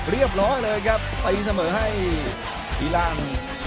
เรียบร้อยเลยครับตีเสมอให้อีรัง